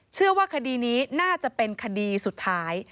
เชื่อว่าคดีนี้น่าจะเป็นคดีสุดท้าย